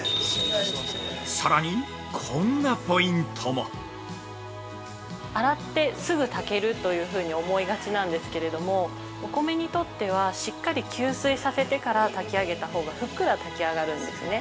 ◆さらに、こんなポイントも。◆洗ってすぐ炊けるというふうに思いがちなんですけれどもお米にとってはしっかり給水させてから炊き上げたほうがふっくら炊き上がるんですね。